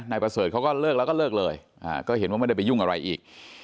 นายประเสริฐเขาก็เลิกแล้วก็เลิกเลยก็เห็นว่าไม่ได้ไปยุ่งอะไรอีก